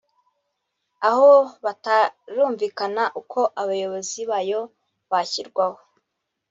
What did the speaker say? aho batarumvikana uko abayobozi bayo bashyirwaho